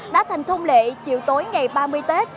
đã thành thông lệ chiều tối ngày ba mươi tết